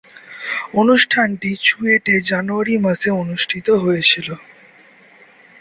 অনুষ্ঠানটি চুয়েটে জানুয়ারি মাসে অনুষ্ঠিত হয়েছিলো।